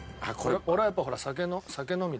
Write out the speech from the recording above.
俺はやっぱほら酒の酒飲み。